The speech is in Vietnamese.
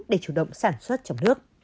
để chủ động sản xuất trong nước